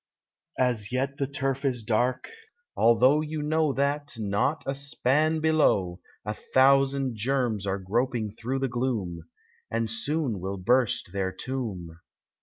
87 As yet the turf is dark, although you know That, not a span below, A thousand germs are groping through the gloom, And soon will burst their tomb.